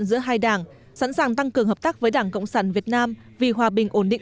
giữa hai đảng sẵn sàng tăng cường hợp tác với đảng cộng sản việt nam vì hòa bình ổn định